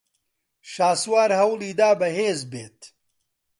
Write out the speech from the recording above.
شاسوار ھەوڵی دا بەھێز بێت.